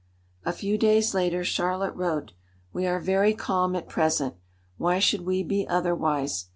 A few days later Charlotte wrote, "We are very calm at present. Why should we be otherwise?